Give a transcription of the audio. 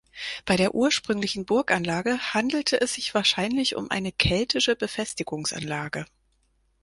Bei der ursprünglichen Burganlage handelte es sich wahrscheinlich um eine keltische Befestigungsanlage.